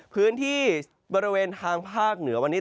พื้นที่บริเวณทางภาคเหนือวันนี้